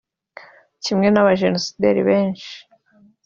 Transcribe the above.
Kimwe n’abajenosideri benshi